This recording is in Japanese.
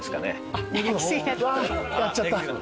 やっちゃった。